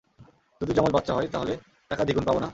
যদি জমজ বাচ্চা হয়, তাহলে টাকা দ্বিগুণ পাব না?